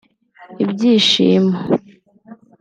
ibyishimo